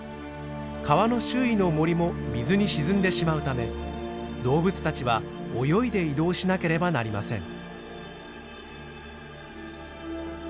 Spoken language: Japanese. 川の周囲の森も水に沈んでしまうため動物たちは泳いで移動しなければなりません。